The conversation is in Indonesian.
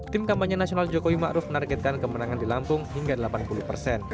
hijrah dari sifat sifat yang penuh dengan keruh punah